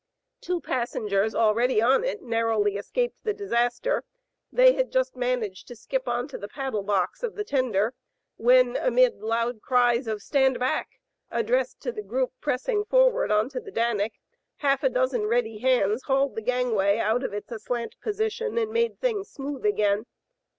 Two passengers already on it narrowly escaped the disaster. They had just managed to skip on to the paddle box of the tender, when, amid loud cries of "Stand back," addressed to the group pressing forward on to the Danic, half a dozen ready hands hauled the gangway out of its aslant position, and made things smooth again.